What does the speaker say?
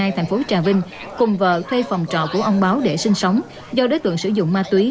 thành phố trà vinh cùng vợ thuê phòng trọ của ông báo để sinh sống do đối tượng sử dụng ma túy